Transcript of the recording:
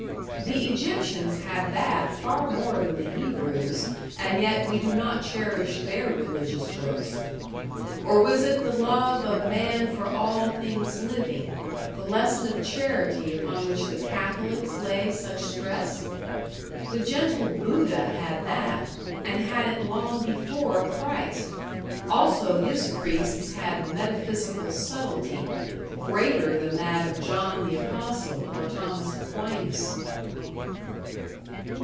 The Egyptians had that far more than the Hebrews, and yet we do not cherish their religious books. Or was it the love of man for all things living, the lesson of charity upon which the Catholics lay such stress? The gentle Buddha had that, and had it long before Christ; also his priests had metaphysical subtlety, greater than that of John the Apostle or Thomas Aquinas.